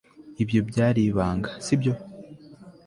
ibyo byari ibanga, si byo